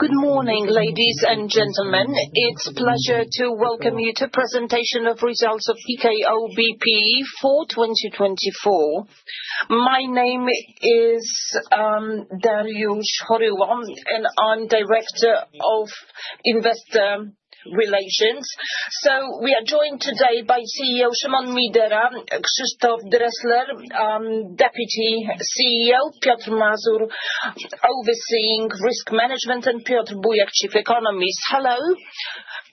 Good morning, ladies and gentlemen. It is a pleasure to welcome you to the presentation of results of PKO BP for 2024. My name is Dariusz Choryło, and I am Director of Investor Relations. We are joined today by CEO Szymon Midera, Krzysztof Dresler, Deputy CEO, Piotr Mazur, overseeing Risk Management, and Piotr Bujak, Chief Economist. Hello.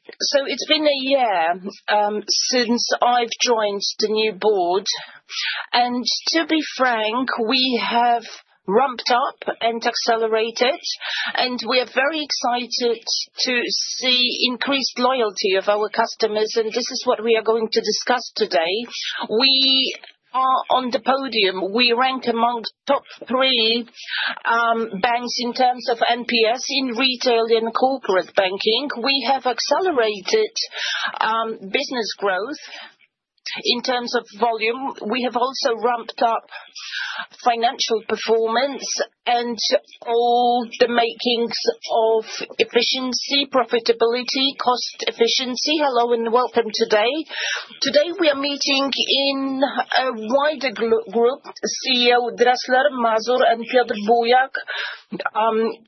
It has been a year since I have joined the new board. To be frank, we have ramped up and accelerated, and we are very excited to see increased loyalty of our customers. This is what we are going to discuss today. We are on the podium. We rank among top three banks in terms of NPS in retail and corporate banking. We have accelerated business growth in terms of volume. We have also ramped up financial performance and all the makings of efficiency, profitability, cost efficiency. Hello and welcome today. Today we are meeting in a wider group, CEO Dresler, Mazur, and Piotr Bujak in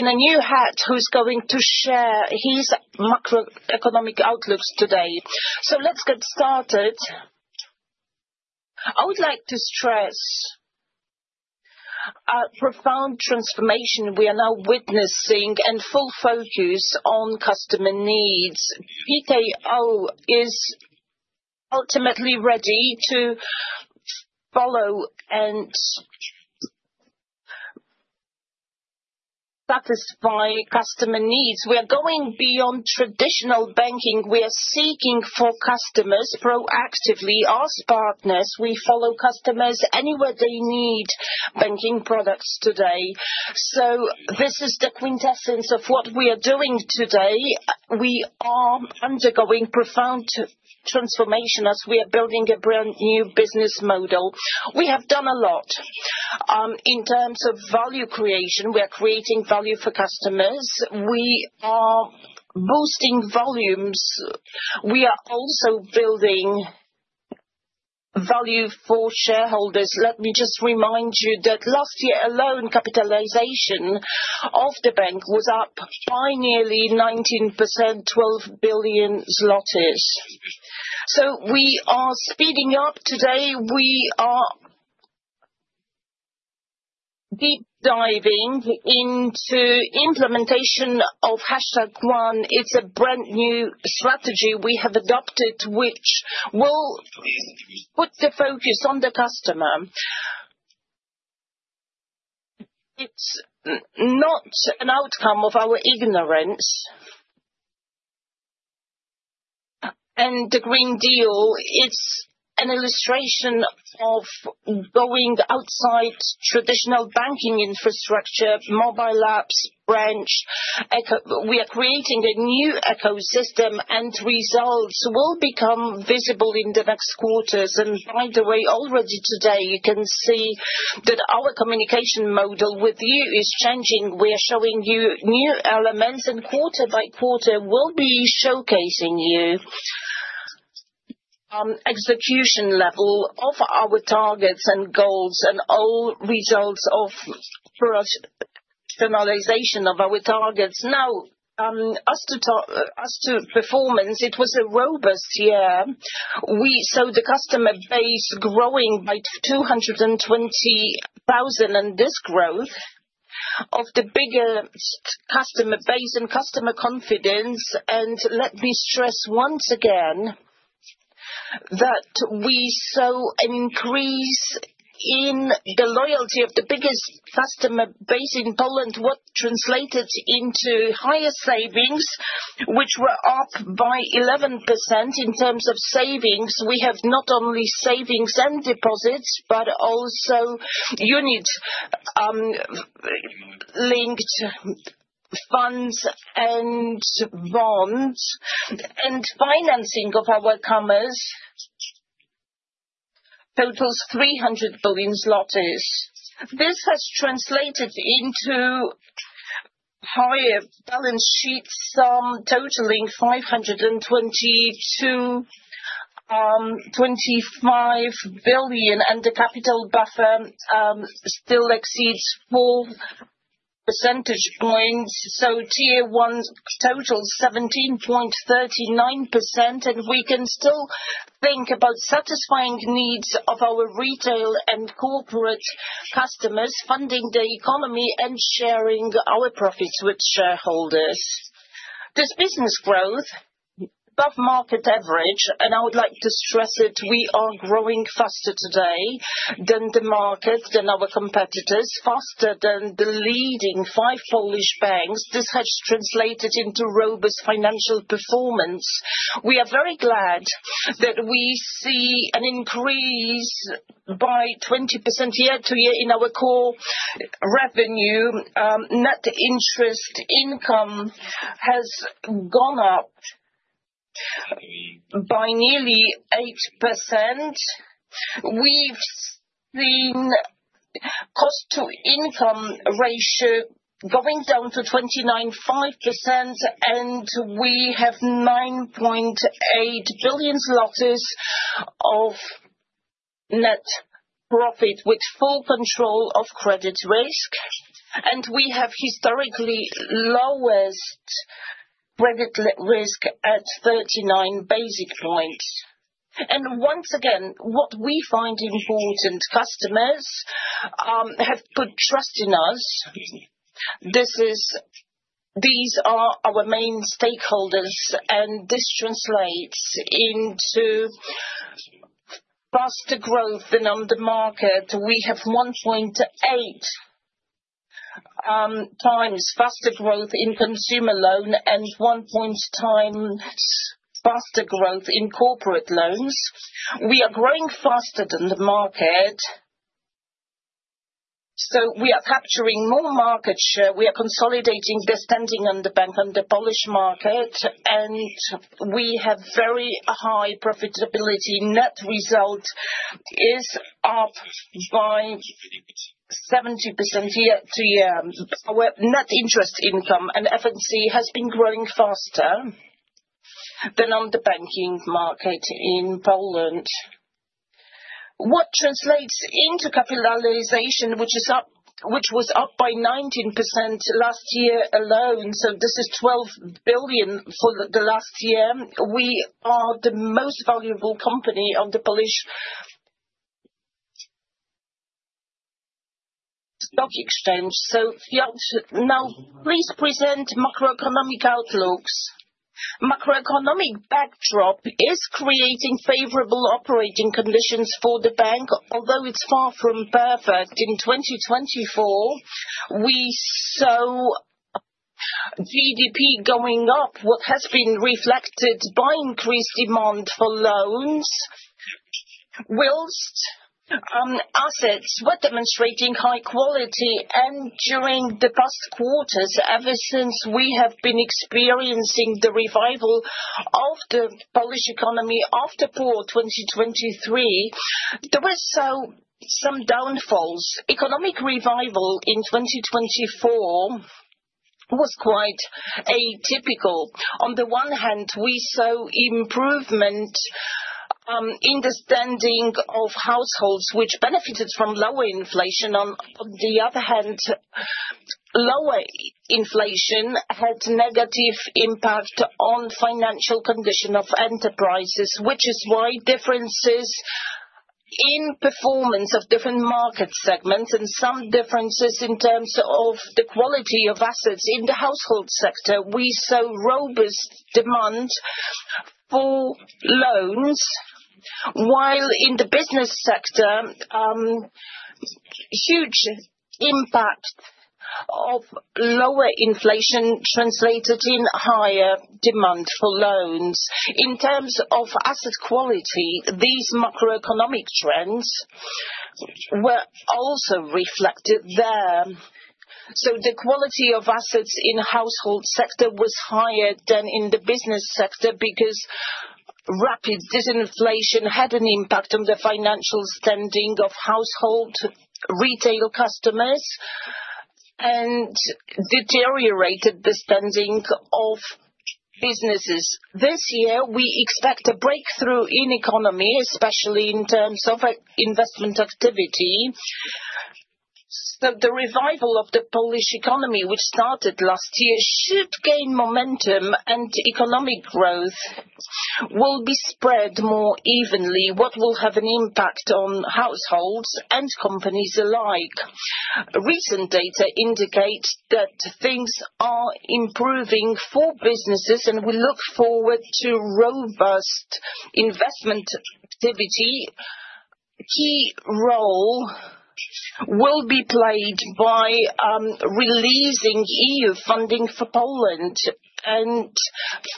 a new hat who's going to share his macroeconomic outlooks today. Let's get started. I would like to stress a profound transformation we are now witnessing and full focus on customer needs. PKO is ultimately ready to follow and satisfy customer needs. We are going beyond traditional banking. We are seeking for customers proactively, as partners. We follow customers anywhere they need banking products today. This is the quintessence of what we are doing today. We are undergoing profound transformation as we are building a brand new business model. We have done a lot in terms of value creation. We are creating value for customers. We are boosting volumes. We are also building value for shareholders. Let me just remind you that last year alone, capitalization of the bank was up by nearly 19%, 12 billion zlotys. We are speeding up today. We are deep diving into implementation of #One. It's a brand new strategy we have adopted, which will put the focus on the customer. It's not an outcome of our ignorance and the Green Deal. It's an illustration of going outside traditional banking infrastructure, mobile apps, branch. We are creating a new ecosystem, and results will become visible in the next quarters. By the way, already today, you can see that our communication model with you is changing. We are showing you new elements, and quarter by quarter, we'll be showcasing you execution level of our targets and goals and all results of professionalization of our targets. Now, as to performance, it was a robust year. We saw the customer base growing by 220,000 and this growth of the biggest customer base and customer confidence. Let me stress once again that we saw an increase in the loyalty of the biggest customer base in Poland, which translated into higher savings, which were up by 11% in terms of savings. We have not only savings and deposits, but also units, linked funds, and bonds, and financing of our commerce totals 300 billion zlotys. This has translated into higher balance sheets, some totaling PLN 522.25 billion, and the capital buffer still exceeds 4 percentage points. Tier one total 17.39%, and we can still think about satisfying needs of our retail and corporate customers, funding the economy and sharing our profits with shareholders. This business growth is above market average, and I would like to stress it. We are growing faster today than the market, than our competitors, faster than the leading five Polish banks. This has translated into robust financial performance. We are very glad that we see an increase by 20% year-to-year in our core revenue. Net interest income has gone up by nearly 8%. We've seen cost to income ratio going down to 29.5%, and we have 9.8 billion of net profit with full control of credit risk. We have historically lowest credit risk at 39 basis points. What we find important, customers have good trust in us. These are our main stakeholders, and this translates into faster growth than on the market. We have 1.8 times faster growth in consumer loan and one time faster growth in corporate loans. We are growing faster than the market. We are capturing more market share. We are consolidating, descending on the bank on the Polish market, and we have very high profitability. Net result is up by 70% year-to-year. Our net interest income and F&C has been growing faster than on the banking market in Poland, which translates into capitalization, which was up by 19% last year alone. This is 12 billion for the last year. We are the most valuable company on the Polish stock exchange. Now, please present macroeconomic outlooks. Macroeconomic backdrop is creating favorable operating conditions for the bank, although it is far from perfect. In 2024, we saw GDP going up, what has been reflected by increased demand for loans. While assets were demonstrating high quality. During the past quarters, ever since we have been experiencing the revival of the Polish economy after poor 2023, there were some downfalls. Economic revival in 2024 was quite atypical. On the one hand, we saw improvement in the standing of households, which benefited from lower inflation. On the other hand, lower inflation had a negative impact on the financial condition of enterprises, which is why differences in performance of different market segments and some differences in terms of the quality of assets in the household sector. We saw robust demand for loans, while in the business sector, huge impact of lower inflation translated in higher demand for loans. In terms of asset quality, these macroeconomic trends were also reflected there. The quality of assets in the household sector was higher than in the business sector because rapid disinflation had an impact on the financial standing of household retail customers and deteriorated the standing of businesses. This year, we expect a breakthrough in economy, especially in terms of investment activity. The revival of the Polish economy, which started last year, should gain momentum, and economic growth will be spread more evenly, which will have an impact on households and companies alike. Recent data indicates that things are improving for businesses, and we look forward to robust investment activity. Key role will be played by releasing EU funding for Poland and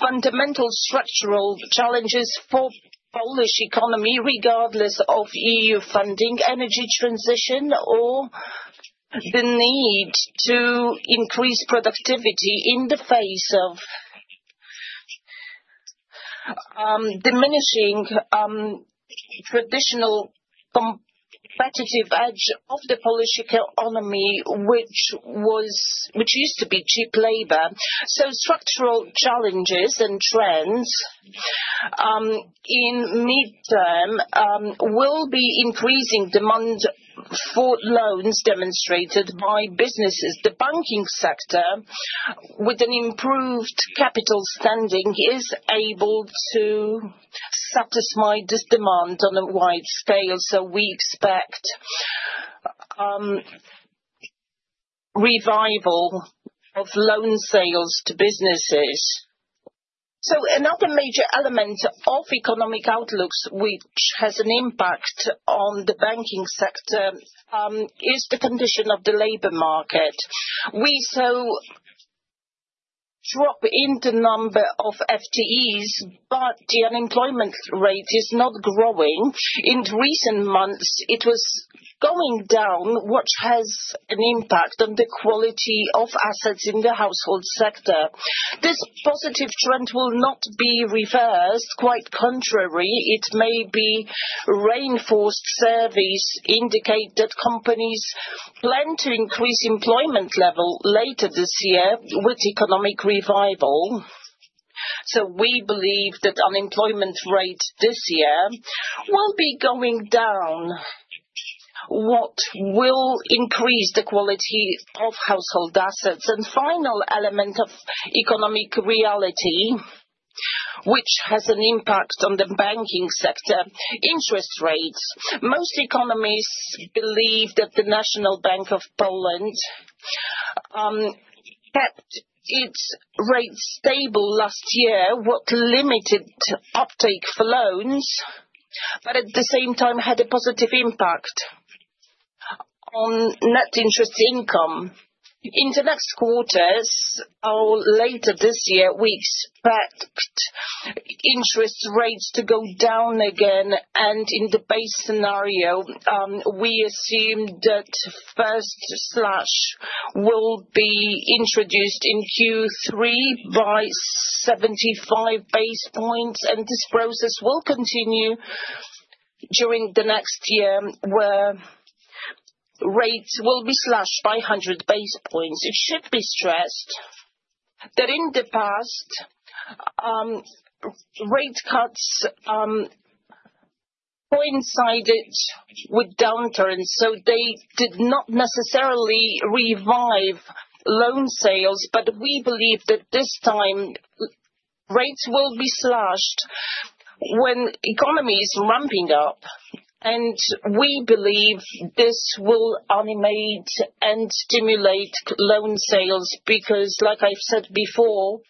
fundamental structural challenges for the Polish economy, regardless of EU funding, energy transition, or the need to increase productivity in the face of diminishing traditional competitive edge of the Polish economy, which used to be cheap labor. Structural challenges and trends in the midterm will be increasing demand for loans demonstrated by businesses. The banking sector, with an improved capital standing, is able to satisfy this demand on a wide scale. We expect revival of loan sales to businesses. Another major element of economic outlooks, which has an impact on the banking sector, is the condition of the labor market. We saw a drop in the number of FTEs, but the unemployment rate is not growing. In recent months, it was going down, which has an impact on the quality of assets in the household sector. This positive trend will not be reversed. Quite contrary, it may be reinforced. Surveys indicate that companies plan to increase employment level later this year with economic revival. We believe that unemployment rates this year will be going down, which will increase the quality of household assets. A final element of economic reality, which has an impact on the banking sector, is interest rates. Most economists believe that the National Bank of Poland kept its rates stable last year, what limited uptake for loans, but at the same time had a positive impact on net interest income. In the next quarters or later this year, we expect interest rates to go down again. In the base scenario, we assume that first slash will be introduced in Q3 by 75 basis points. This process will continue during the next year, where rates will be slashed by 100 basis points. It should be stressed that in the past, rate cuts coincided with downturns. They did not necessarily revive loan sales, but we believe that this time rates will be slashed when the economy is ramping up. We believe this will animate and stimulate loan sales because, like I've said before,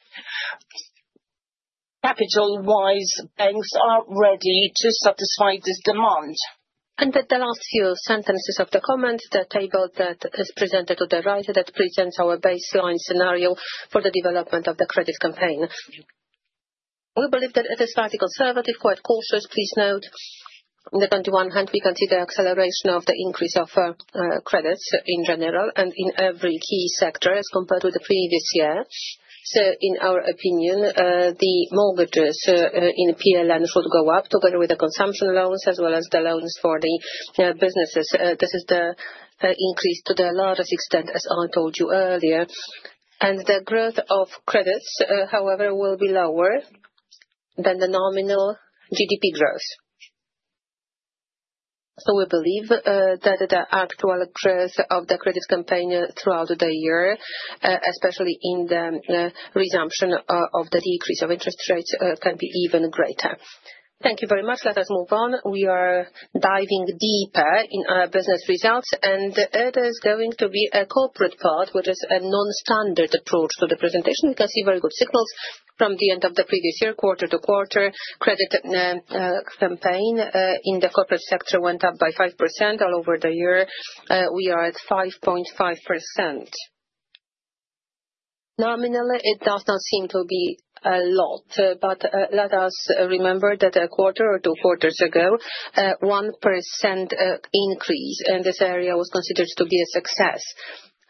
capital-wise, banks are ready to satisfy this demand. The last few sentences of the comment, the table that is presented to the right, that presents our baseline scenario for the development of the credit campaign. We believe that it is fairly conservative, quite cautious. Please note, in the country one hand, we consider acceleration of the increase of credits in general and in every key sector as compared with the previous year. In our opinion, the mortgages in PLN should go up together with the consumption loans as well as the loans for the businesses. This is the increase to the largest extent, as I told you earlier. The growth of credits, however, will be lower than the nominal GDP growth. We believe that the actual growth of the credit campaign throughout the year, especially in the resumption of the decrease of interest rates, can be even greater. Thank you very much. Let us move on. We are diving deeper in our business results, and it is going to be a corporate part, which is a non-standard approach to the presentation. We can see very good signals from the end of the previous year, quarter-to-quarter. The credit campaign in the corporate sector went up by 5% all over the year. We are at 5.5%. Nominally, it does not seem to be a lot, but let us remember that a quarter or two quarters ago, 1% increase in this area was considered to be a success.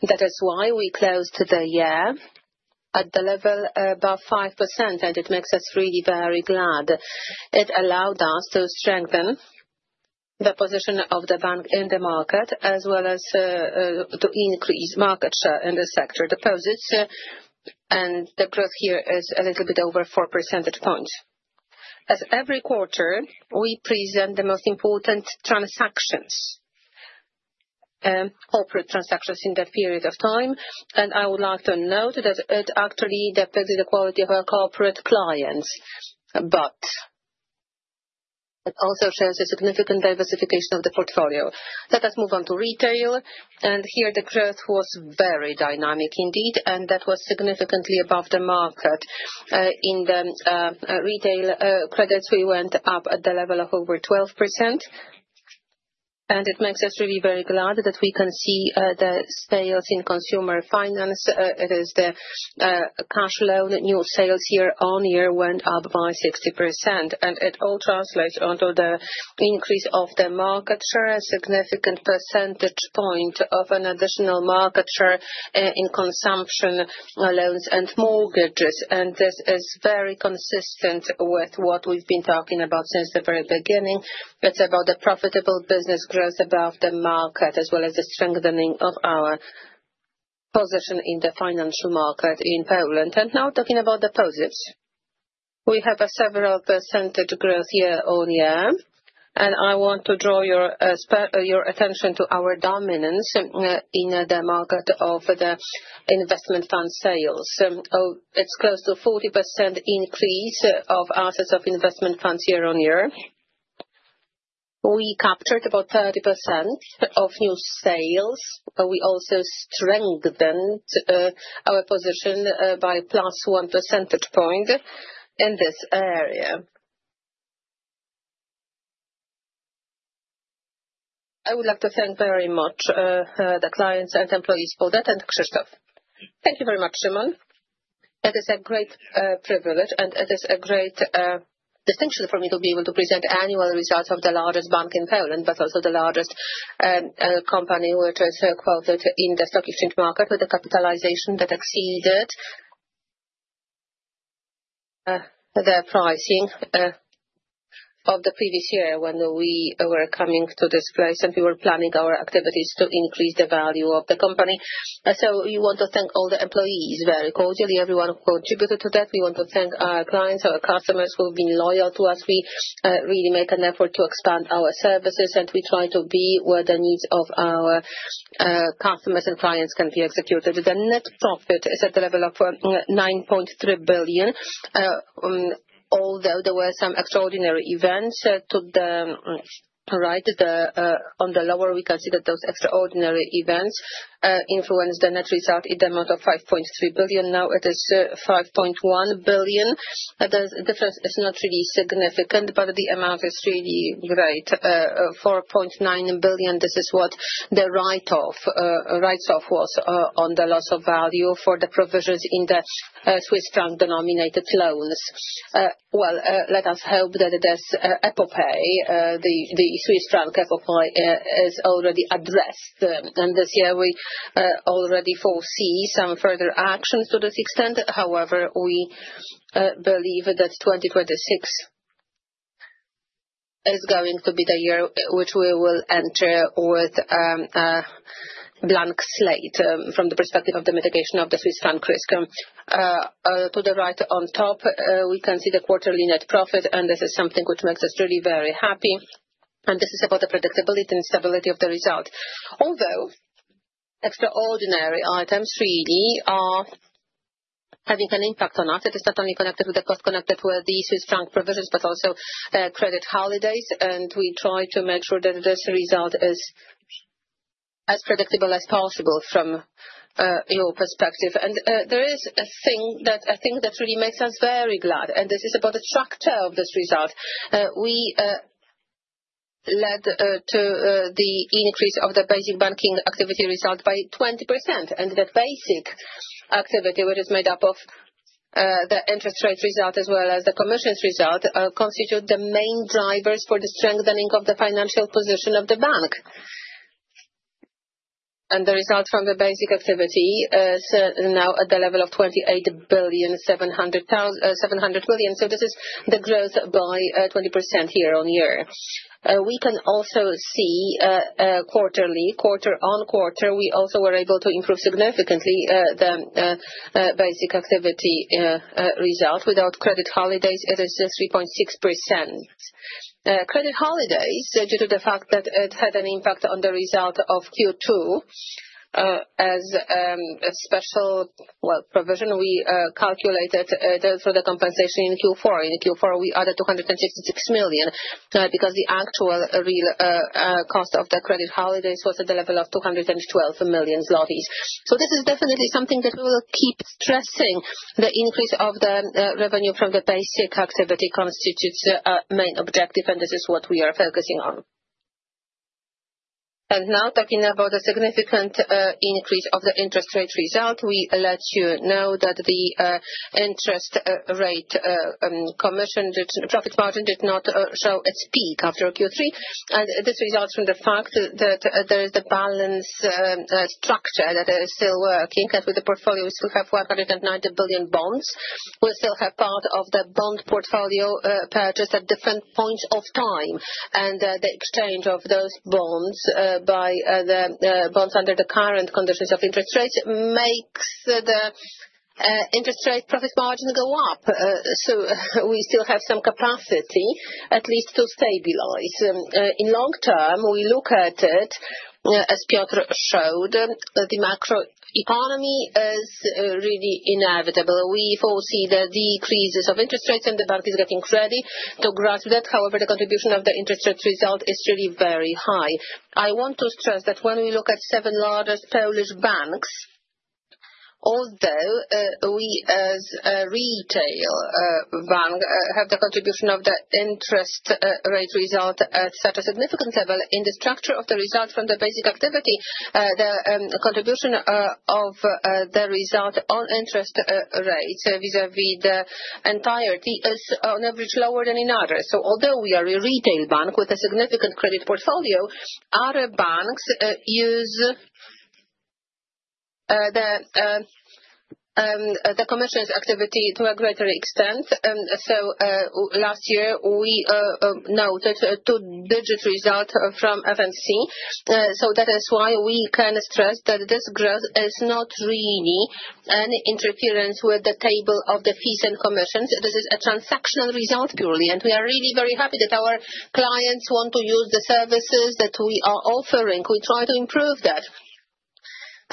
That is why we closed the year at the level above 5%, and it makes us really very glad. It allowed us to strengthen the position of the bank in the market, as well as to increase market share in the sector deposits. The growth here is a little bit over 4 percentage points. As every quarter, we present the most important transactions, corporate transactions in that period of time. I would like to note that it actually depicts the quality of our corporate clients, but it also shows a significant diversification of the portfolio. Let us move on to retail. Here, the growth was very dynamic indeed, and that was significantly above the market. In the retail credits, we went up at the level of over 12%. It makes us really very glad that we can see the sales in consumer finance. It is the cash loan new sales year on year went up by 60%. It all translates onto the increase of the market share, a significant percentage point of an additional market share in consumption loans and mortgages. This is very consistent with what we've been talking about since the very beginning. It's about the profitable business growth above the market, as well as the strengthening of our position in the financial market in Poland. Now talking about deposits, we have a several percentage growth year on year. I want to draw your attention to our dominance in the market of the investment fund sales. It's close to 40% increase of assets of investment funds year on year. We captured about 30% of new sales. We also strengthened our position by plus 1 percentage point in this area. I would like to thank very much the clients and employees for that. Krzysztof, Thank you very much, Szymon. It is a great privilege, and it is a great distinction for me to be able to present annual results of the largest bank in Poland, but also the largest company which is quoted in the stock exchange market with a capitalization that exceeded the pricing of the previous year when we were coming to this place and we were planning our activities to increase the value of the company. We want to thank all the employees very cordially, everyone who contributed to that. We want to thank our clients, our customers who have been loyal to us. We really make an effort to expand our services, and we try to be where the needs of our customers and clients can be executed. The net profit is at the level of 9.3 billion. Although there were some extraordinary events to the right, on the lower, we consider those extraordinary events influenced the net result in the amount of 5.3 billion. Now it is 5.1 billion. The difference is not really significant, but the amount is really great. 4.9 billion, this is what the write-off was on the loss of value for the provisions in the Swiss franc-denominated loans. Let us hope that this Epopeia, the Swiss franc Epopeia, is already addressed. This year, we already foresee some further actions to this extent. However, we believe that 2026 is going to be the year which we will enter with a blank slate from the perspective of the mitigation of the Swiss franc risk. To the right on top, we can see the quarterly net profit, and this is something which makes us really very happy. This is about the predictability and stability of the result. Although extraordinary items really are having an impact on us, it is not only connected with the cost connected with the Swiss franc provisions, but also credit holidays. We try to make sure that this result is as predictable as possible from your perspective. There is a thing that I think that really makes us very glad, and this is about the structure of this result. We led to the increase of the basic banking activity result by 20%. The basic activity, which is made up of the interest rate result as well as the Commissions result, constitute the main drivers for the strengthening of the financial position of the bank. The result from the basic activity is now at the level of 28 billion 700 billion. This is the growth by 20% year-on-year. We can also see quarterly, quarter on quarter, we also were able to improve significantly the basic activity result. Without credit holidays, it is just 3.6%. Credit holidays, due to the fact that it had an impact on the result of Q2 as a special, well, provision, we calculated through the compensation in Q4. In Q4, we added 266 million because the actual real cost of the credit holidays was at the level of 212 million. This is definitely something that we will keep stressing. The increase of the revenue from the basic activity constitutes a main objective, and this is what we are focusing on. Now talking about the significant increase of the interest rate result, we let you know that the interest rate Commission profit margin did not show its peak after Q3. This results from the fact that there is the balance structure that is still working. With the portfolio, we still have 190 billion bonds. We still have part of the bond portfolio purchased at different points of time. The exchange of those bonds by the bonds under the current conditions of interest rates makes the interest rate profit margin go up. We still have some capacity at least to stabilize. In long term, we look at it, as Piotr showed, the macro economy is really inevitable. We foresee the decreases of interest rates, and the bank is getting ready to grasp that. However, the contribution of the interest rate result is really very high. I want to stress that when we look at seven largest Polish banks, although we as a retail bank have the contribution of the interest rate result at such a significant level in the structure of the result from the basic activity, the contribution of the result on interest rates vis-à-vis the entirety is on average lower than in others. Although we are a retail bank with a significant credit portfolio, other banks use the Commissions activity to a greater extent. Last year, we noted a two-digit result from F&C. That is why we can stress that this growth is not really an interference with the table of the fees and Commissions. This is a transactional result purely. We are really very happy that our clients want to use the services that we are offering. We try to improve that.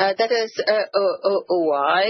That is why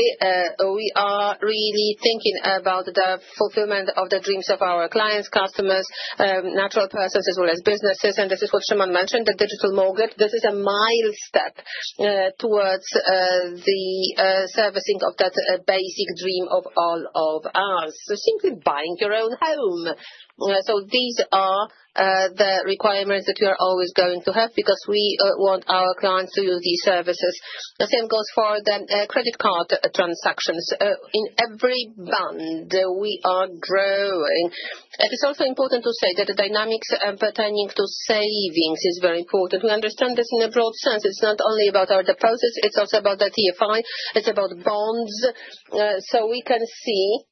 we are really thinking about the fulfillment of the dreams of our clients, customers, natural persons, as well as businesses. This is what Szymon mentioned, the digital mortgage. This is a milestone towards the servicing of that basic dream of all of us. Simply buying your own home. These are the requirements that you are always going to have because we want our clients to use these services. The same goes for the credit card transactions. In every bond, we are growing. It is also important to say that the dynamics pertaining to savings is very important. We understand this in a broad sense. It's not only about our deposits. It's also about the TFI. It's about bonds. We can see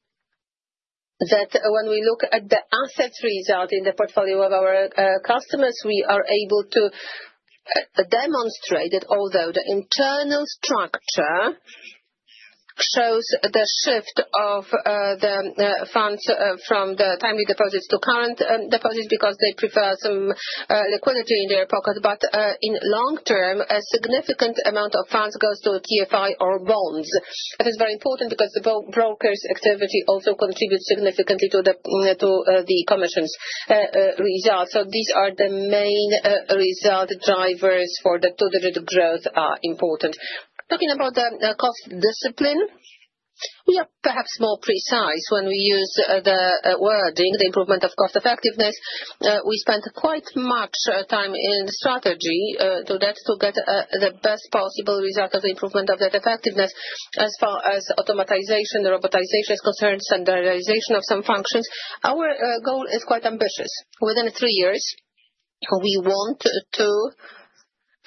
that when we look at the assets result in the portfolio of our customers, we are able to demonstrate that although the internal structure shows the shift of the funds from the timely deposits to current deposits because they prefer some liquidity in their pockets, in the long term, a significant amount of funds goes to TFI or bonds. It is very important because the broker's activity also contributes significantly to the Commissions result. These are the main result drivers for the two-digit growth and are important. Talking about the cost discipline, we are perhaps more precise when we use the wording, the improvement of cost effectiveness. We spent quite much time in strategy to get the best possible result of the improvement of that effectiveness as far as automatization, robotization is concerned, standardization of some functions. Our goal is quite ambitious. Within three years, we want to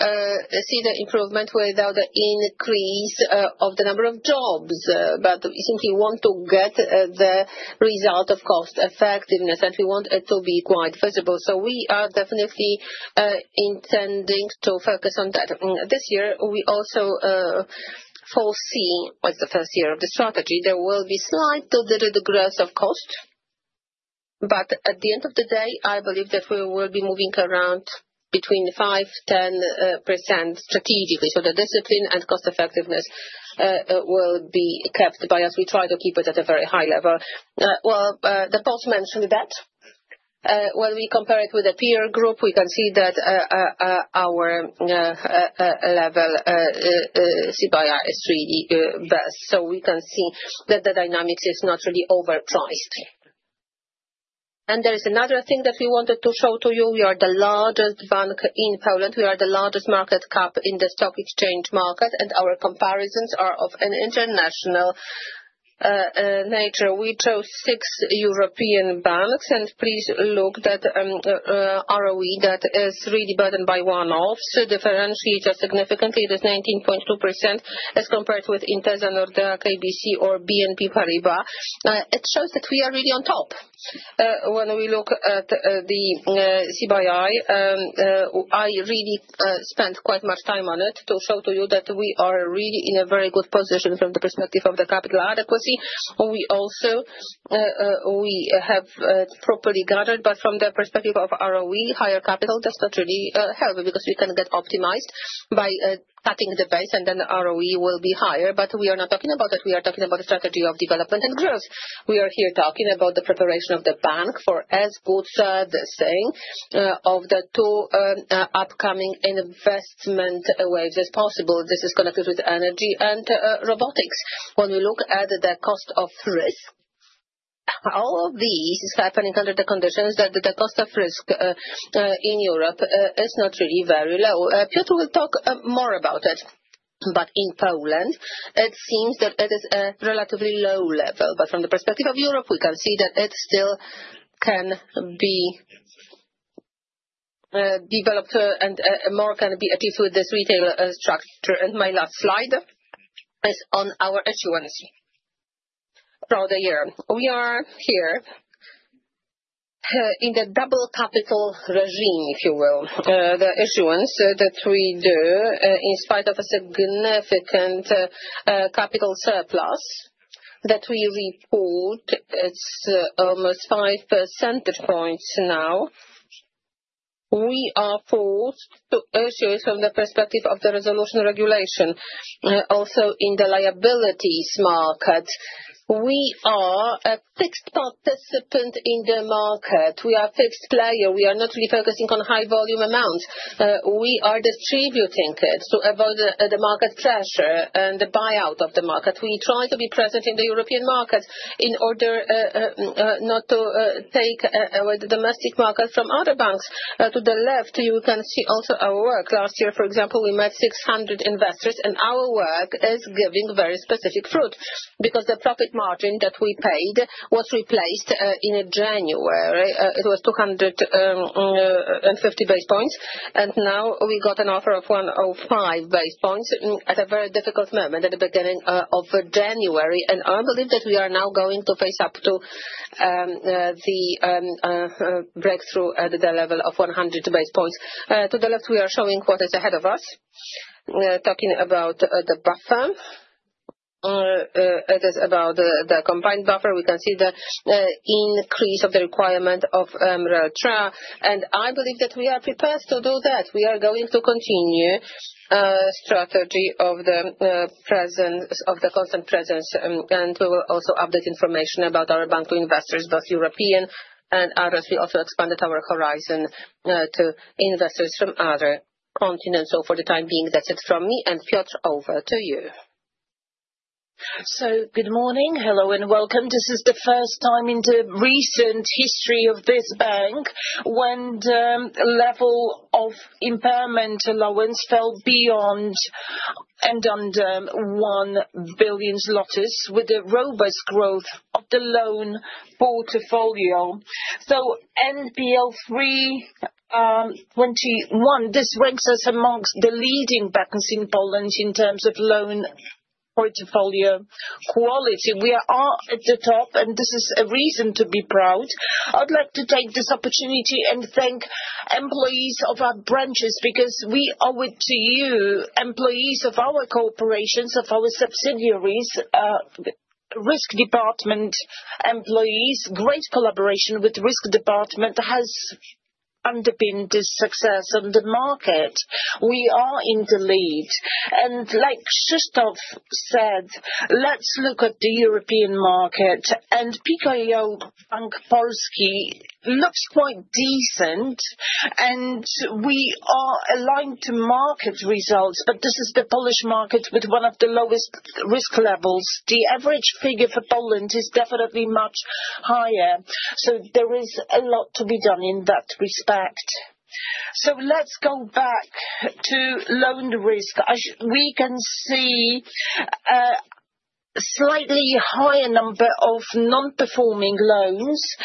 see the improvement without the increase of the number of jobs, but we simply want to get the result of cost effectiveness, and we want it to be quite visible. We are definitely intending to focus on that. This year, we also foresee, it's the first year of the strategy, there will be slight to the digital growth of cost, but at the end of the day, I believe that we will be moving around between 5-10% strategically. The discipline and cost effectiveness will be kept by us. We try to keep it at a very high level. The post mentioned that when we compare it with a peer group, we can see that our level C/I is really best. We can see that the dynamics is not really overpriced. There is another thing that we wanted to show to you. We are the largest bank in Poland. We are the largest market cap in the stock exchange market, and our comparisons are of an international nature. We chose six European banks, and please look that ROE that is really better than by one-offs differentiates us significantly. It is 19.2% as compared with Intesa, Nordea, KBC, or BNP Paribas. It shows that we are really on top. When we look at the C/I, I really spent quite much time on it to show to you that we are really in a very good position from the perspective of the capital adequacy. We also have properly gathered, but from the perspective of ROE, higher capital does not really help because we can get optimized by cutting the base, and then the ROE will be higher. We are not talking about that. We are talking about the strategy of development and growth. We are here talking about the preparation of the bank for as good as the same of the two upcoming investment waves as possible. This is connected with energy and robotics. When we look at the cost of risk, all of this is happening under the conditions that the cost of risk in Europe is not really very low. Piotr will talk more about it, but in Poland, it seems that it is a relatively low level. From the perspective of Europe, we can see that it still can be developed and more can be achieved with this retail structure. My last slide is on our issuance for the year. We are here in the double capital regime, if you will. The issuance that we do, in spite of a significant capital surplus that we report, it's almost 5 percentage points now. We are forced to issue it from the perspective of the resolution regulation. Also, in the liabilities market, we are a fixed participant in the market. We are a fixed player. We are not really focusing on high volume amounts. We are distributing it to avoid the market pressure and the buyout of the market. We try to be present in the European markets in order not to take away the domestic market from other banks. To the left, you can see also our work. Last year, for example, we met 600 investors, and our work is giving very specific fruit because the profit margin that we paid was replaced in January. It was 250 basis points, and now we got an offer of 105 basis points at a very difficult moment at the beginning of January. I believe that we are now going to face up to the breakthrough at the level of 100 basis points. To the left, we are showing what is ahead of us. Talking about the buffer, it is about the combined buffer. We can see the increase of the requirement of MREL / TREA. I believe that we are prepared to do that. We are going to continue the strategy of the constant presence, and we will also update information about our bank to investors, both European and others. We also expanded our horizon to investors from other continents. For the time being, that's it from me. Piotr, over to you. Good morning. Hello and welcome. This is the first time in the recent history of this bank when the level of impairment allowance fell beyond and under 1 billion with the robust growth of the loan portfolio. NPL 321, this ranks us amongst the leading banks in Poland in terms of loan portfolio quality. We are at the top, and this is a reason to be proud. I'd like to take this opportunity and thank employees of our branches because we owe it to you, employees of our corporations, of our subsidiaries, risk department employees. Great collaboration with the risk department has underpinned this success on the market. We are in the lead. Like Krzysztof said, let's look at the European market. PKO Bank Polski looks quite decent, and we are aligned to market results, but this is the Polish market with one of the lowest risk levels. The average figure for Poland is definitely much higher. There is a lot to be done in that respect. Let's go back to loan risk. We can see a slightly higher number of non-performing loans,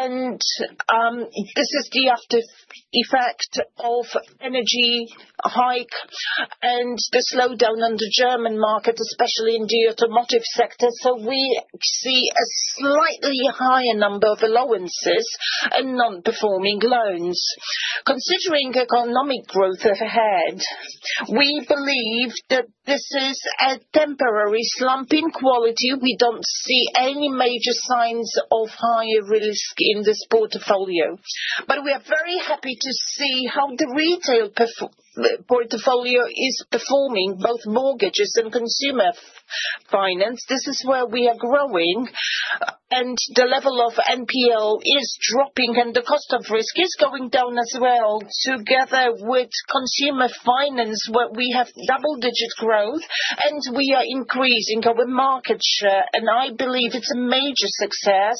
and this is the after-effect of the energy hike and the slowdown on the German market, especially in the automotive sector. We see a slightly higher number of allowances and non-performing loans. Considering economic growth ahead, we believe that this is a temporary slump in quality. We do not see any major signs of higher risk in this portfolio, but we are very happy to see how the retail portfolio is performing, both mortgages and consumer finance. This is where we are growing, and the level of NPL is dropping, and the cost of risk is going down as well together with consumer finance, where we have double-digit growth, and we are increasing our market share. I believe it's a major success,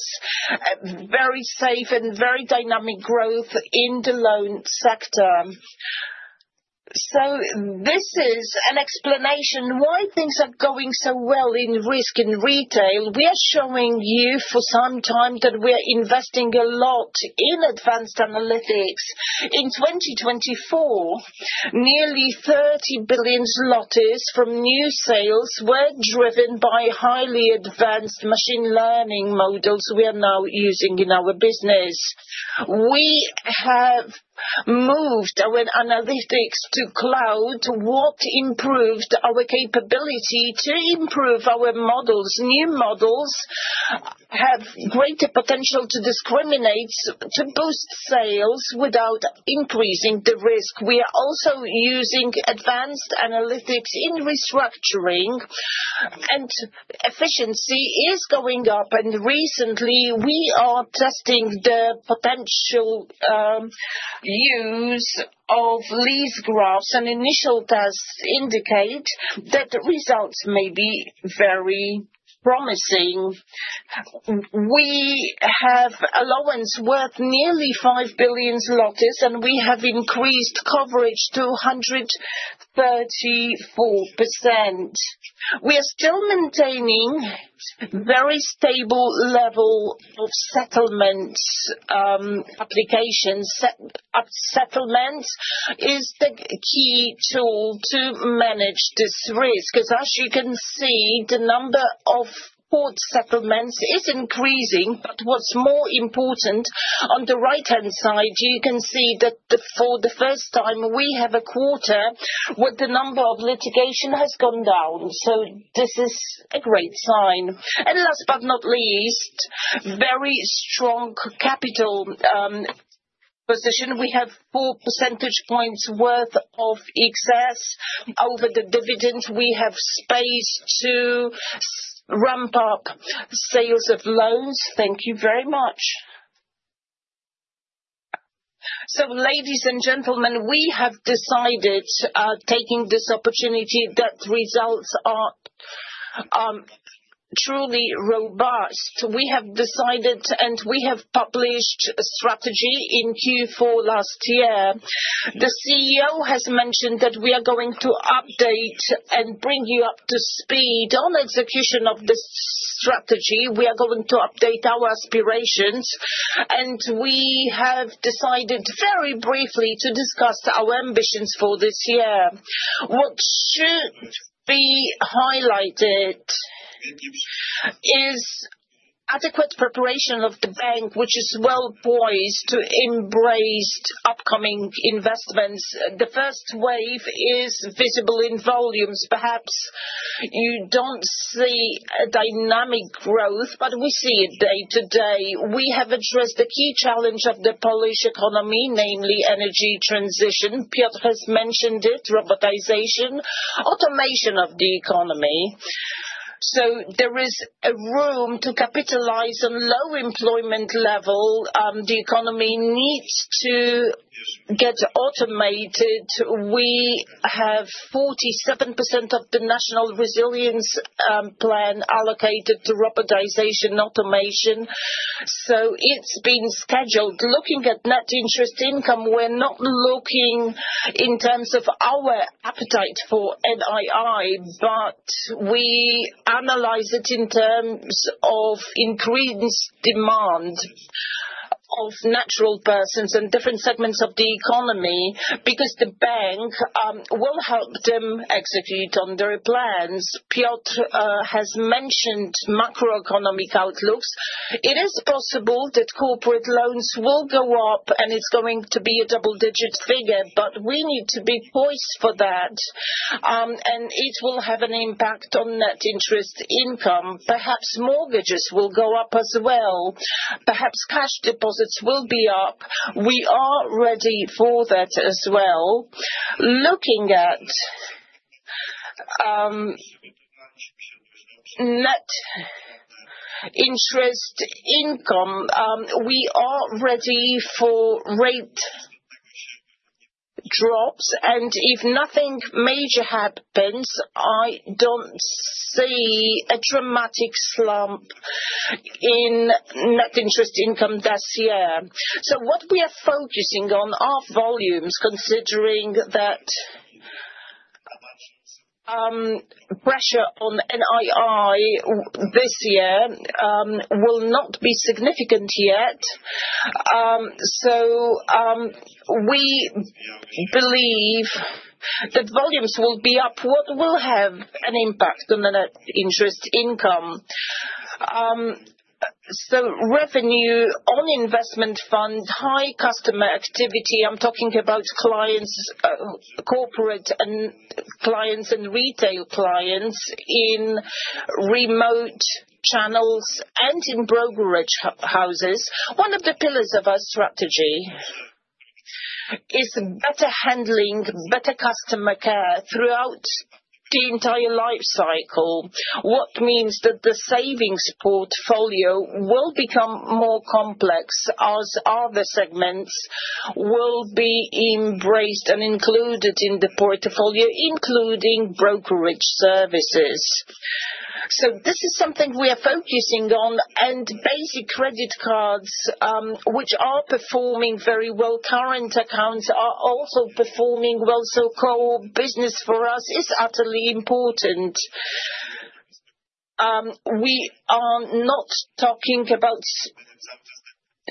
very safe and very dynamic growth in the loan sector. This is an explanation why things are going so well in risk in retail. We are showing you for some time that we are investing a lot in advanced analytics. In 2024, nearly 30 billion from new sales were driven by highly advanced machine learning models we are now using in our business. We have moved our analytics to cloud, what improved our capability to improve our models. New models have greater potential to discriminate, to boost sales without increasing the risk. We are also using advanced analytics in restructuring, and efficiency is going up. Recently, we are testing the potential use of lift graphs, and initial tests indicate that the results may be very promising. We have allowance worth nearly 5 billion zlotys, and we have increased coverage to 134%. We are still maintaining a very stable level of settlement applications. Settlement is the key tool to manage this risk because, as you can see, the number of court settlements is increasing. What is more important, on the right-hand side, you can see that for the first time, we have a quarter where the number of litigations has gone down. This is a great sign. Last but not least, very strong capital position. We have 4 percentage points worth of excess over the dividend. We have space to ramp up sales of loans. Thank you very much. Ladies and gentlemen, we have decided, taking this opportunity, that results are truly robust. We have decided, and we have published a strategy in Q4 last year. The CEO has mentioned that we are going to update and bring you up to speed on execution of this strategy. We are going to update our aspirations, and we have decided very briefly to discuss our ambitions for this year. What should be highlighted is adequate preparation of the bank, which is well poised to embrace upcoming investments. The first wave is visible in volumes. Perhaps you do not see a dynamic growth, but we see it day to day. We have addressed the key challenge of the Polish economy, namely energy transition. Piotr has mentioned it, robotization, automation of the economy. There is a room to capitalize on low employment level. The economy needs to get automated. We have 47% of the National Resilience Plan allocated to robotization automation. It has been scheduled. Looking at net interest income, we're not looking in terms of our appetite for NII, but we analyze it in terms of increased demand of natural persons and different segments of the economy because the bank will help them execute on their plans. Piotr has mentioned macroeconomic outlooks. It is possible that corporate loans will go up, and it's going to be a double-digit figure, but we need to be poised for that, and it will have an impact on net interest income. Perhaps mortgages will go up as well. Perhaps cash deposits will be up. We are ready for that as well. Looking at net interest income, we are ready for rate drops, and if nothing major happens, I don't see a dramatic slump in net interest income this year. What we are focusing on are volumes, considering that pressure on NII this year will not be significant yet. We believe that volumes will be up, which will have an impact on the net interest income. Revenue on investment fund, high customer activity. I'm talking about clients, corporate clients and retail clients in remote channels and in brokerage houses. One of the pillars of our strategy is better handling, better customer care throughout the entire life cycle, which means that the savings portfolio will become more complex as other segments will be embraced and included in the portfolio, including brokerage services. This is something we are focusing on, and basic credit cards, which are performing very well, current accounts are also performing well. Core business for us is utterly important. We are not talking about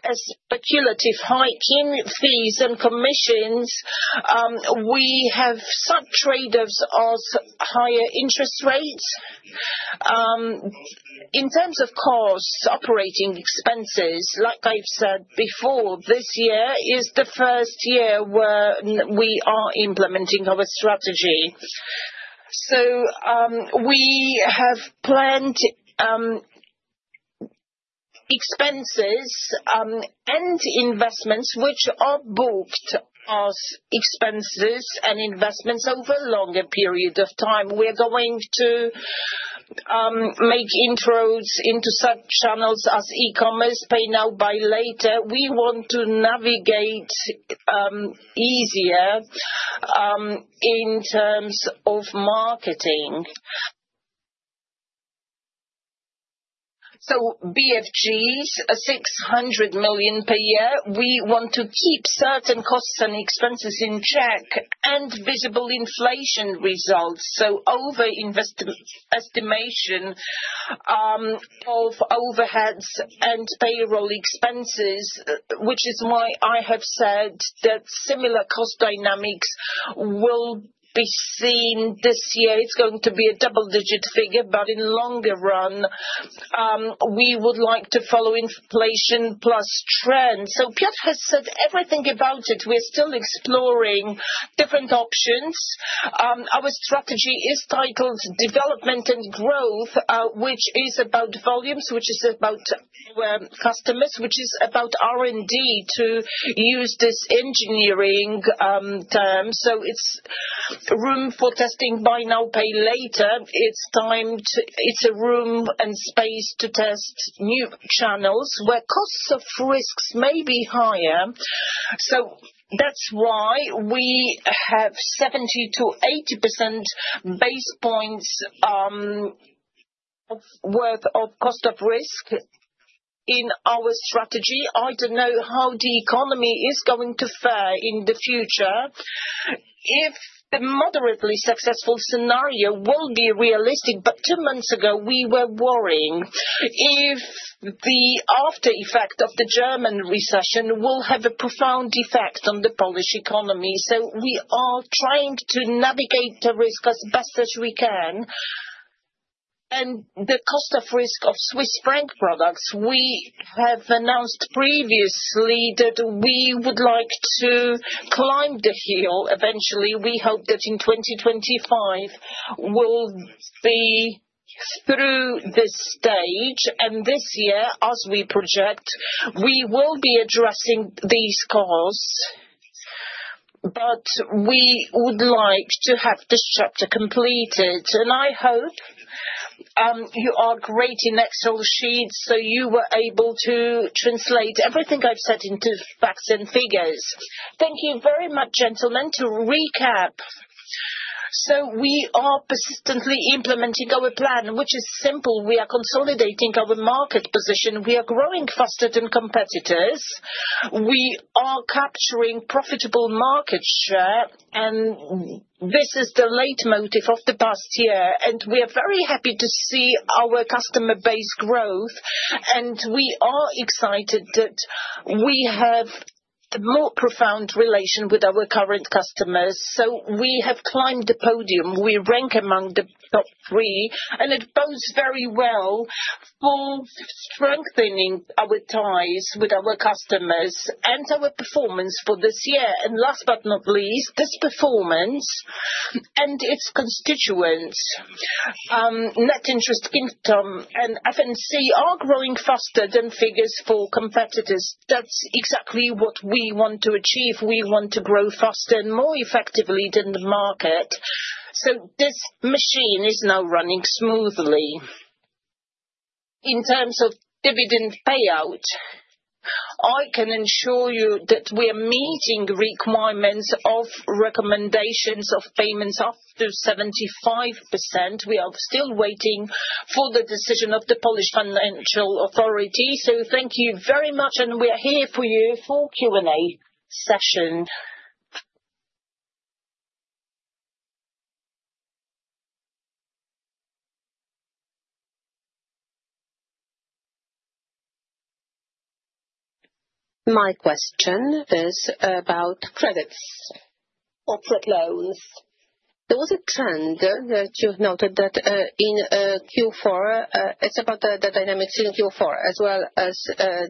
speculative hiking fees and Commissions. We have such trade-offs as higher interest rates. In terms of costs, operating expenses, like I've said before, this year is the first year where we are implementing our strategy. We have planned expenses and investments which are booked as expenses and investments over a longer period of time. We are going to make intros into such channels as E-commerce, Pay Now, Buy Later. We want to navigate easier in terms of marketing. BFG, 600 million per year. We want to keep certain costs and expenses in check and visible inflation results. Over-investment estimation of overheads and payroll expenses, which is why I have said that similar cost dynamics will be seen this year. It's going to be a double-digit figure, but in the longer run, we would like to follow inflation plus trends. Piotr has said everything about it. We are still exploring different options. Our strategy is titled Development and Growth, which is about volumes, which is about our customers, which is about R&D to use this engineering term. It is room for testing, Buy Now, Pay Later. It is a room and space to test new channels where costs of risk may be higher. That is why we have 70-80 basis points worth of cost of risk in our strategy. I do not know how the economy is going to fare in the future. If the moderately successful scenario will be realistic, two months ago, we were worrying if the after-effect of the German recession will have a profound effect on the Polish economy. We are trying to navigate the risk as best as we can. The cost of risk of Swiss franc products, we have announced previously that we would like to climb the hill eventually. We hope that in 2025 we'll be through this stage. This year, as we project, we will be addressing these costs, but we would like to have this chapter completed. I hope you are great in Excel sheets, so you were able to translate everything I've said into facts and figures. Thank you very much, gentlemen. To recap, we are persistently implementing our plan, which is simple. We are consolidating our market position. We are growing faster than competitors. We are capturing profitable market share, and this is the leitmotif of the past year. We are very happy to see our customer base growth, and we are excited that we have a more profound relation with our current customers. We have climbed the podium. We rank among the top three, and it bodes very well for strengthening our ties with our customers and our performance for this year. Last but not least, this performance and its constituents, net interest income and F&C, are growing faster than figures for competitors. That's exactly what we want to achieve. We want to grow faster and more effectively than the market. This machine is now running smoothly. In terms of dividend payout, I can ensure you that we are meeting requirements of recommendations of payments up to 75%. We are still waiting for the decision of the Polish Financial Supervision Authority. Thank you very much, and we are here for you for Q&A session. My question is about credits or prep loans. There was a trend that you've noted that in Q4. It's about the dynamics in Q4 as well as the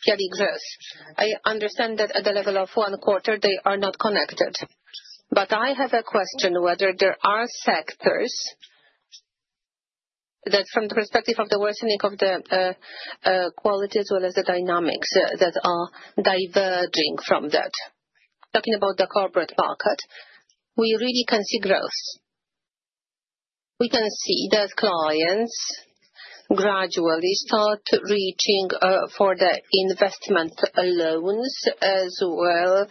P&L. I understand that at the level of one quarter, they are not connected. I have a question whether there are sectors that, from the perspective of the worsening of the quality as well as the dynamics, are diverging from that. Talking about the corporate market, we really can see growth. We can see that clients gradually start reaching for the investment loans as well,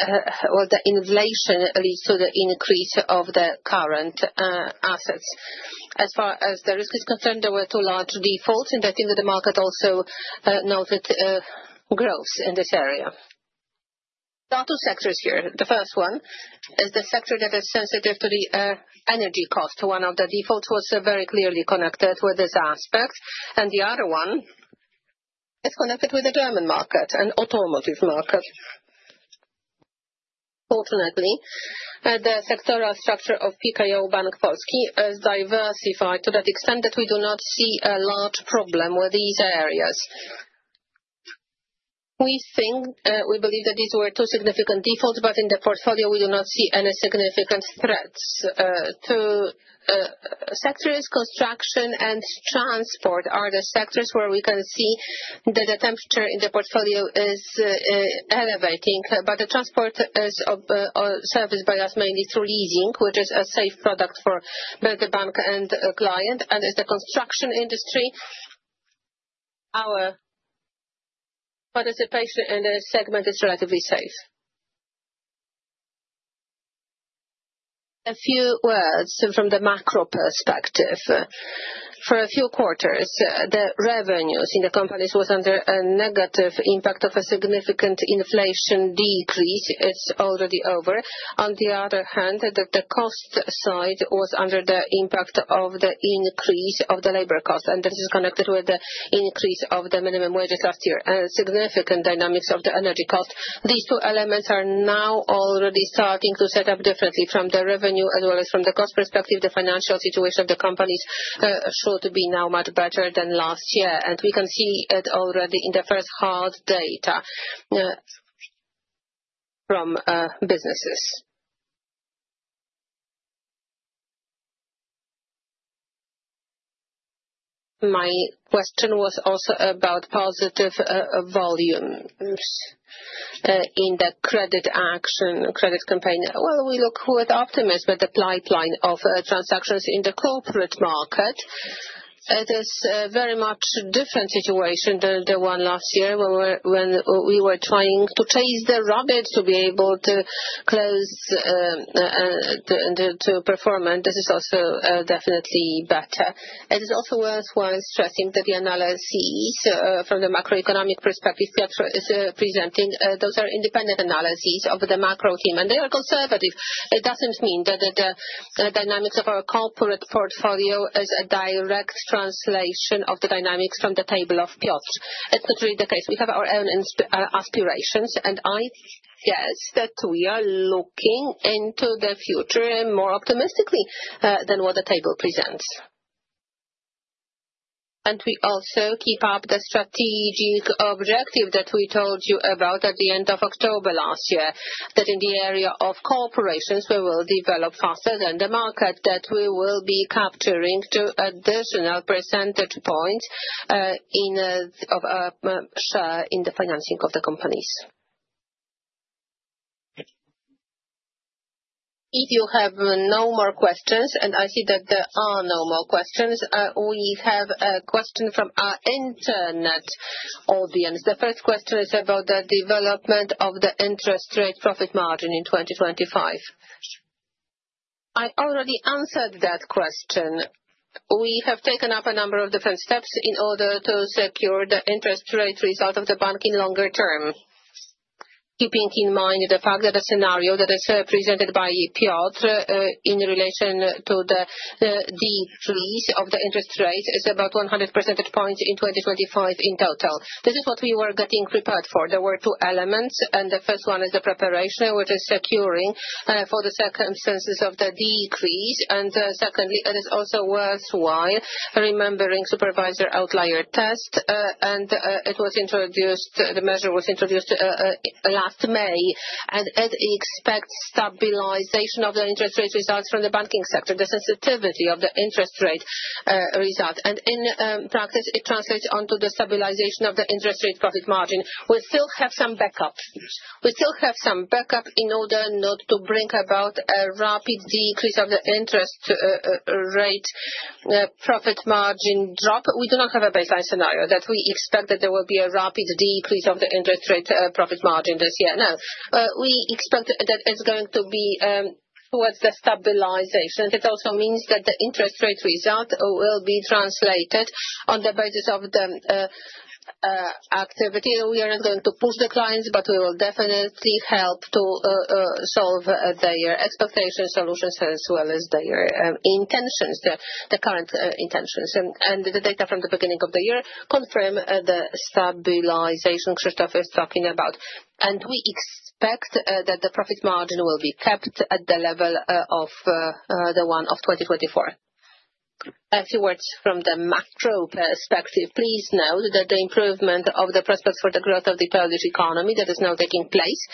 or the inflation leads to the increase of the current assets. As far as the risk is concerned, there were two large defaults, and I think that the market also noted growth in this area. There are two sectors here. The first one is the sector that is sensitive to the energy cost. One of the defaults was very clearly connected with this aspect, and the other one is connected with the German market and automotive market. Fortunately, the sectoral structure of PKO Bank Polski is diversified to that extent that we do not see a large problem with these areas. We believe that these were two significant defaults, but in the portfolio, we do not see any significant threats. Two sectors, construction and transport, are the sectors where we can see that the temperature in the portfolio is elevating, but the transport is serviced by us mainly through leasing, which is a safe product for both the bank and client, and it's the construction industry. Our participation in this segment is relatively safe. A few words from the macro perspective. For a few quarters, the revenues in the companies were under a negative impact of a significant inflation decrease. It's already over. On the other hand, the cost side was under the impact of the increase of the labor cost, and this is connected with the increase of the minimum wages last year and significant dynamics of the energy cost. These two elements are now already starting to set up differently from the revenue as well as from the cost perspective. The financial situation of the companies should be now much better than last year, and we can see it already in the first hard data from businesses. My question was also about positive volumes in the credit action, credit campaign. We look with optimism at the pipeline of transactions in the corporate market. It is a very much different situation than the one last year when we were trying to chase the rabbit to be able to close and to perform, and this is also definitely better. It is also worthwhile stressing that the analyses from the macroeconomic perspective Piotr is presenting, those are independent analyses of the macro team, and they are conservative. It does not mean that the dynamics of our corporate portfolio is a direct translation of the dynamics from the table of Piotr. It is not really the case. We have our own aspirations, and I guess that we are looking into the future more optimistically than what the table presents. We also keep up the strategic objective that we told you about at the end of October last year, that in the area of corporations, we will develop faster than the market, that we will be capturing two additional percentage points in the financing of the companies. If you have no more questions, and I see that there are no more questions, we have a question from our internet audience. The first question is about the development of the interest rate profit margin in 2025. I already answered that question. We have taken up a number of different steps in order to secure the interest rate result of the bank in longer term, keeping in mind the fact that the scenario that is presented by Piotr in relation to the decrease of the interest rate is about 100 percentage points in 2025 in total. This is what we were getting prepared for. There were two elements, and the first one is the preparation, which is securing for the circumstances of the decrease. Secondly, it is also worthwhile remembering Supervisory Outlier Test, and it was introduced. The measure was introduced last May, and it expects stabilization of the interest rate results from the banking sector, the sensitivity of the interest rate result. In practice, it translates onto the stabilization of the interest rate profit margin. We still have some backup. We still have some backup in order not to bring about a rapid decrease of the interest rate profit margin drop. We do not have a baseline scenario that we expect that there will be a rapid decrease of the interest rate profit margin this year. No, we expect that it's going to be towards the stabilization. It also means that the interest rate result will be translated on the basis of the activity. We are not going to push the clients, but we will definitely help to solve their expectations, solutions, as well as their intentions, the current intentions. The data from the beginning of the year confirm the stabilization Krzysztof is talking about. We expect that the profit margin will be kept at the level of the one of 2024. A few words from the macro perspective. Please note that the improvement of the prospects for the growth of the Polish economy that is now taking place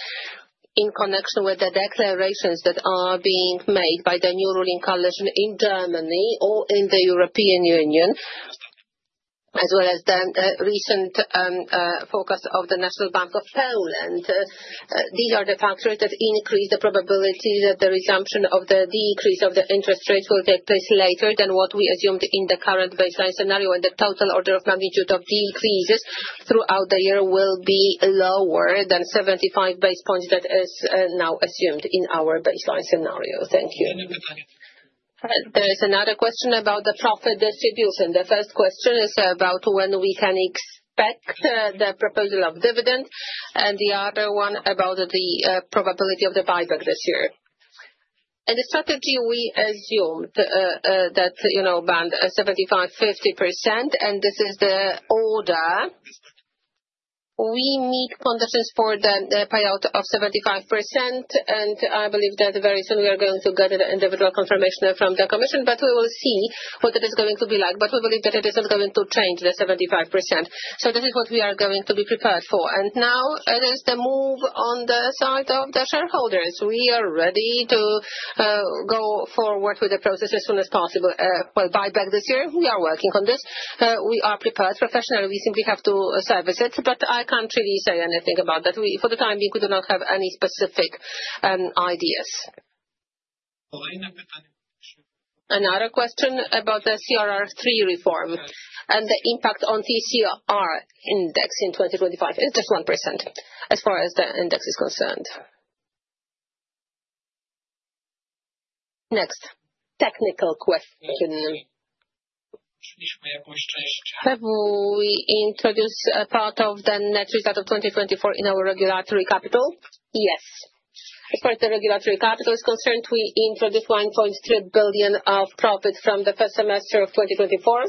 in connection with the declarations that are being made by the new ruling coalition in Germany or in the European Union, as well as the recent focus of the National Bank of Poland. These are the factors that increase the probability that the resumption of the decrease of the interest rates will take place later than what we assumed in the current baseline scenario, and the total order of magnitude of decreases throughout the year will be lower than 75 basis points that is now assumed in our baseline scenario. Thank you. There is another question about the profit distribution. The first question is about when we can expect the proposal of dividend and the other one about the probability of the buyback this year. In the strategy we assumed that band 75, 50%, and this is the order. We need conditions for the payout of 75%, and I believe that very soon we are going to get an individual confirmation from the Commission, but we will see what it is going to be like. I believe that it is not going to change the 75%. This is what we are going to be prepared for. Now it is the move on the side of the shareholders. We are ready to go forward with the process as soon as possible. Buyback this year, we are working on this. We are prepared professionally. We simply have to service it, but I can't really say anything about that. For the time being, we do not have any specific ideas. Another question about the CRR3 reform and the impact on the CRR index in 2025 is just 1% as far as the index is concerned. Next, technical question. Have we introduced a part of the net result of 2024 in our regulatory capital? Yes. As far as the regulatory capital is concerned, we introduced 1.3 billion of profit from the first semester of 2024.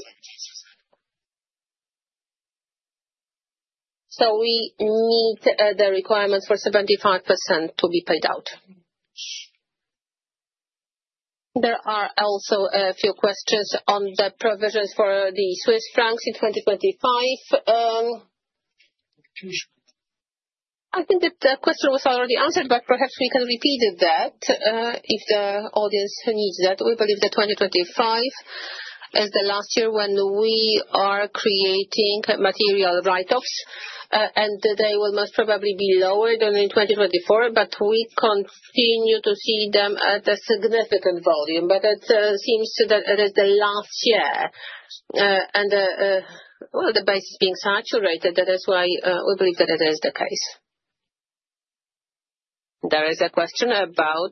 So we meet the requirements for 75% to be paid out. There are also a few questions on the provisions for the Swiss francs in 2025. I think that the question was already answered, but perhaps we can repeat that if the audience needs that. We believe that 2025 is the last year when we are creating material write-offs, and they will most probably be lower than in 2024, but we continue to see them at a significant volume. It seems that it is the last year, and the base is being saturated. That is why we believe that it is the case. There is a question about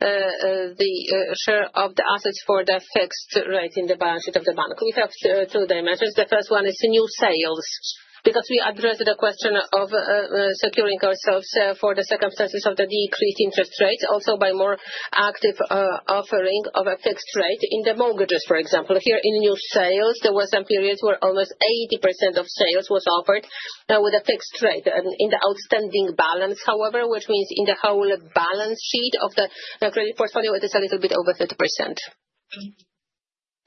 the share of the assets for the fixed rate in the balance sheet of the bank. We have two dimensions. The first one is new sales, because we addressed the question of securing ourselves for the circumstances of the decreased interest rate, also by more active offering of a fixed rate in the mortgages, for example. Here in new sales, there were some periods where almost 80% of sales was offered with a fixed rate. In the outstanding balance, however, which means in the whole balance sheet of the credit portfolio, it is a little bit over 30%.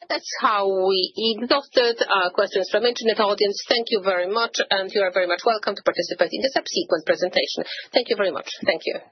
That is how we exhausted our questions from the internet audience. Thank you very much, and you are very much welcome to participate in the subsequent presentation. Thank you very much. Thank you.